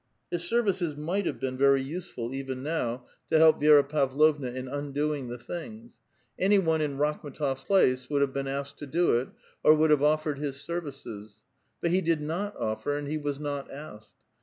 His services might have been very useful, even now, to 4 VITAL QUESTION^ 271 • Vi^ra Pavlovna in undoing the things. Any one in hm^tofs place would have been asked to do it, or would 3 oflPered his services. But he did not otter, and he was asked.